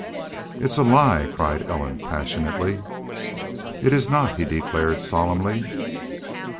"It's a lie," cried Ellen, passionately. "It is not," he declared, solemnly.